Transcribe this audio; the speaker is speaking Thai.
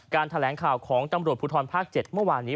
แถลงข่าวของตำรวจภูทรภาค๗เมื่อวานนี้